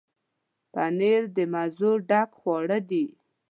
پنېر د مزو ډک خواړه دي.